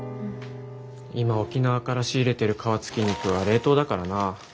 今沖縄から仕入れてる皮付き肉は冷凍だからな。